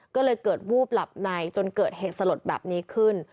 ก็เลยเกิดวูบหลับในจนเกิดเหตุสลดแบบนี้ขึ้น